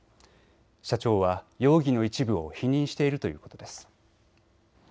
社長は容疑の一部を否認しているということです。